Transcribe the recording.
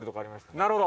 なるほど。